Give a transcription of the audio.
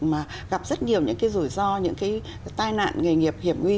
mà gặp rất nhiều những cái rủi ro những cái tai nạn nghề nghiệp hiểm nguy